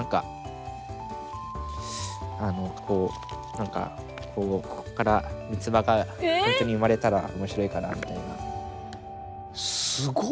何かこうここから三つ葉がほんとに生まれたら面白いかなみたいな。